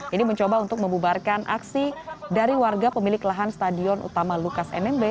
ini mencoba untuk membubarkan aksi dari warga pemilik lahan stadion utama lukas nmb